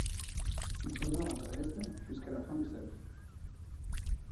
Il demeure à Dresde, jusqu'à la fin de sa vie.